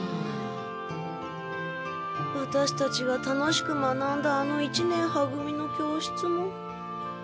ワタシたちが楽しく学んだあの一年は組の教室も。